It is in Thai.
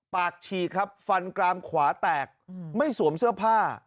ปากฉีกครับฟันกรามขวาแตกไม่สวมเสื้อผ้า